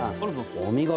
お見事！